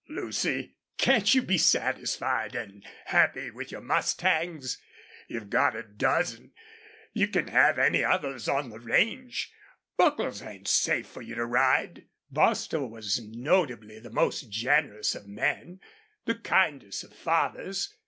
"Lucy, can't you be satisfied an' happy with your mustangs? You've got a dozen. You can have any others on the range. Buckles ain't safe for you to ride." Bostil was notably the most generous of men, the kindest of fathers.